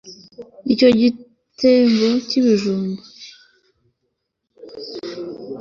Icyo gitebo cyibijumba